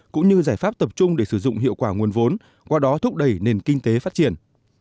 cũng như giải pháp tập trung để sử dụng hiệu quả nguồn vốn qua đó thúc đẩy nền kinh tế phát triển